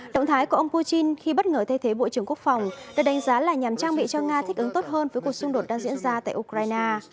động thái của ông putin khi bất ngờ thay thế bộ trưởng quốc phòng được đánh giá là nhằm trang bị cho nga thích ứng tốt hơn với cuộc xung đột đang diễn ra tại ukraine